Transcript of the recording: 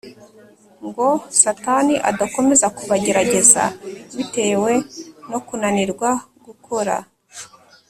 ngo satani adakomeza kubagerageza bitewe no kunanirwa gukora